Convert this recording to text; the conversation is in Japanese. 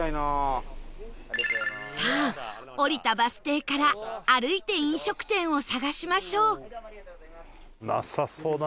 さあ降りたバス停から歩いて飲食店を探しましょう